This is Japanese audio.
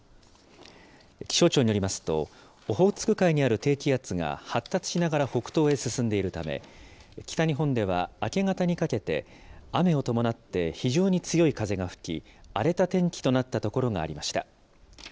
気象庁によりますと、オホーツク海にある低気圧が発達しながら北東へ進んでいるため、北日本では明け方にかけて、雨を伴って非常に強い風が吹き、荒れた天気となった所がありました。